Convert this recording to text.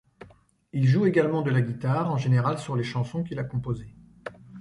Il joue également de la guitare, en général sur les chansons qu'il a composées.